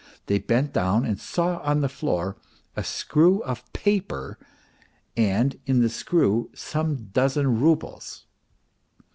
They bent down and saw on the floor a screw of paper and in the screw some dozen roubles.